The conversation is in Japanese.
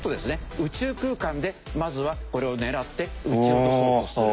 宇宙空間でまずはこれを狙って撃ち落とそうとする。